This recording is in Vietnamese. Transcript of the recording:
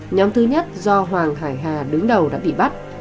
nhóm thứ nhất do hoàng hải hà đứng đầu đã bị bắt